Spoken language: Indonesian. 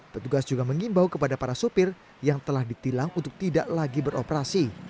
petugas juga mengimbau kepada para supir yang telah ditilang untuk tidak lagi beroperasi